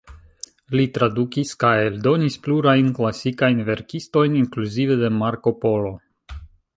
Li tradukis kaj eldonis plurajn klasikajn verkistojn, inkluzive de Marko Polo.